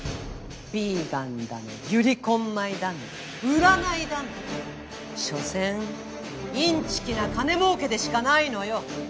ビーガンだのユリこん米だの占いだのしょせんインチキな金もうけでしかないのよ。